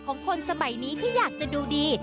คนสมัยนี้ที่อยากจะดูดี